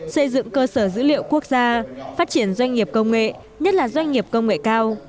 xây dựng cơ sở dữ liệu quốc gia phát triển doanh nghiệp công nghệ nhất là doanh nghiệp công nghệ cao